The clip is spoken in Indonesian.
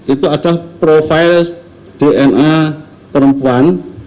itu ada profil dna perempuan